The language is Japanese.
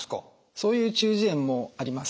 そういう中耳炎もあります。